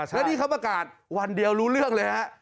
แล้วนี่เขาประกาศวันเดียวรู้เรื่องเลยฮะ